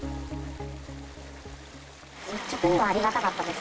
率直にはありがたかったです。